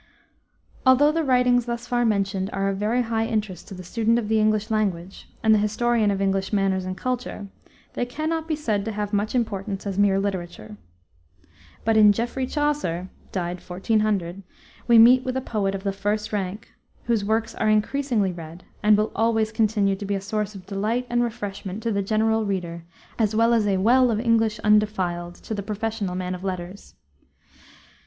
Although the writings thus far mentioned are of very high interest to the student of the English language, and the historian of English manners and culture, they cannot be said to have much importance as mere literature. But in Geoffrey Chaucer (died 1400) we meet with a poet of the first rank, whose works are increasingly read and will always continue to be a source of delight and refreshment to the general reader as well as a "well of English undefiled" to the professional man of letters.